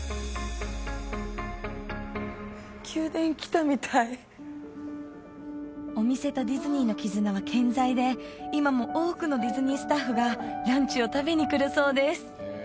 宮殿来たみたいお店とディズニーの絆は健在で今も多くのディズニースタッフがランチを食べに来るそうです